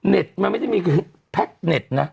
เน็ตมันไม่ได้มีคือแพ็กเน็ตนะ